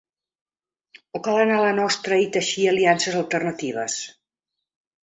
O cal anar a la nostra i teixir aliances alternatives?